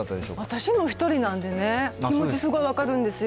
私も１人なんでね、気持ち、すごい分かるんですよ。